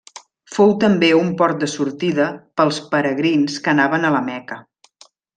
Fou també un port de sortida pels peregrins que anaven a la Meca.